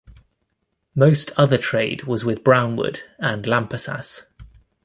Most other trade was with Brownwood and Lampasas.